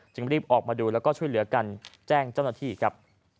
รีบออกมาดูแล้วก็ช่วยเหลือกันแจ้งเจ้าหน้าที่ครับ